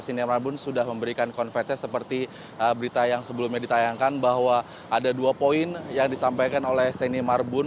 siner marbun sudah memberikan konferensi seperti berita yang sebelumnya ditayangkan bahwa ada dua poin yang disampaikan oleh seni marbun